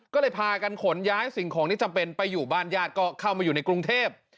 ก็เลยพากันขนย้ายสิ่งของที่จำเป็นไปอยู่บ้านญาติก็เข้ามาอยู่ในกรุงเทพ